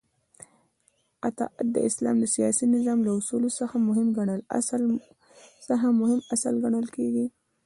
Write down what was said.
اطاعت د اسلام د سیاسی نظام له اصولو څخه مهم اصل ګڼل کیږی